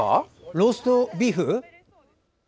ローストビーフ？